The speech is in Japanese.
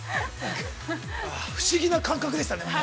◆不思議な感覚でしたね。